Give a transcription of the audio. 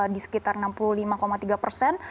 di sekitar enam puluh lima tiga persen